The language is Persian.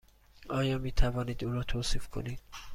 آیا می توانید او را توصیف کنید؟